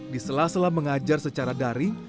diselaselah mengajar secara dari